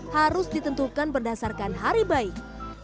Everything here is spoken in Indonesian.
harus ditentukan berdasarkan hari baik